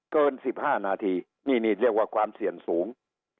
เกิน๑๕นาทีนี่นี่เรียกว่าความเสี่ยงสูง